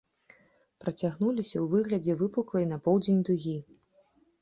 Працягнуліся ў выглядзе выпуклай на поўдзень дугі.